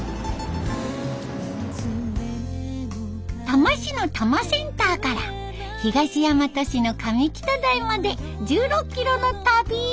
多摩市の多摩センターから東大和市の上北台まで１６キロの旅。